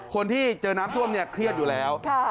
คนที่เจอน้ำท่วมเนี่ยเครียดอยู่แล้ว